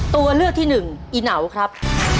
ตัวเลือกที่หนึ่งอีเหนาครับ